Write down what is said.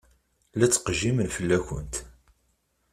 La ttqejjimen fell-akent.